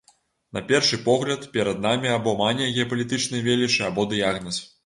На першы погляд, перад намі або манія геапалітычнай велічы, або дыягназ.